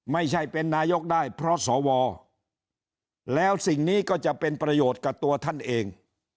ไม่ใช่เป็นนายกได้เพราะสวแล้วสิ่งนี้ก็จะเป็นประโยชน์กับตัวท่านเอง